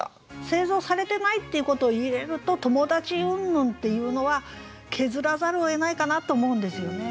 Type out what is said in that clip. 製造されてないっていうことを入れると友達うんぬんっていうのは削らざるをえないかなと思うんですよね。